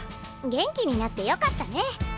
元気になってよかったね。